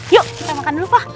yuk kita makan dulu pak